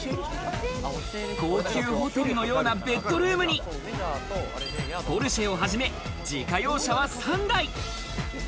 高級ホテルのようなベッドルームに、ポルシェをはじめ、自家用車は３台。